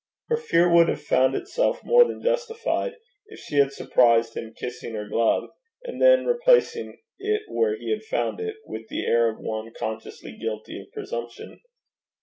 Her fear would have found itself more than justified, if she had surprised him kissing her glove, and then replacing it where he had found it, with the air of one consciously guilty of presumption.